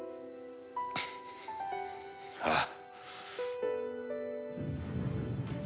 ああ。